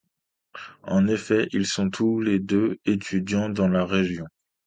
En effet, ils sont tous les deux étudiants dans la région.